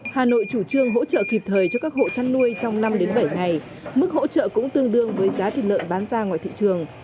hà nội chủ trương hỗ trợ kịp thời cho các hộ chăn nuôi trong năm bảy ngày mức hỗ trợ cũng tương đương với giá thịt lợn bán ra ngoài thị trường